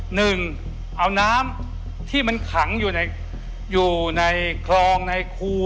หนึ่งเอาน้ำที่มันขังอยู่ในคลองในคู